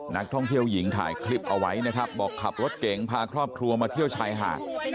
นักท่องเที่ยวหญิงถ่ายคลิปเอาไว้นะครับบอกขับรถเก๋งพาครอบครัวมาเที่ยวชายหาด